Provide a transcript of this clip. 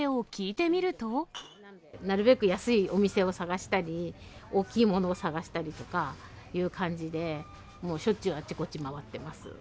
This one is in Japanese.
なるべく安いお店を探したり、大きいものを探したりとかいう感じで、もうしょっちゅうあっちこっち回っています。